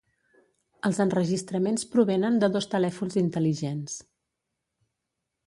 Els enregistraments provenen de dos telèfons intel·ligents.